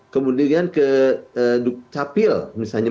kemudian ke duk capil misalnya